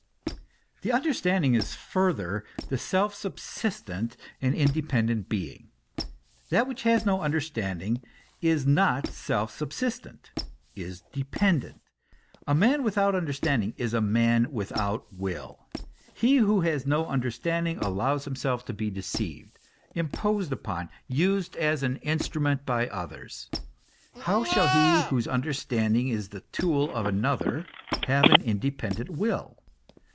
The understanding is further the self subsistent and indepen dent being. That which has no understanding is not self subsistent, is dependent. A man without understanding is a man without will. He who has no understanding allows himself to be deceived, .imposed upon, used as an instrument by others. How shall he whose understanding is the tool of another, have an independent will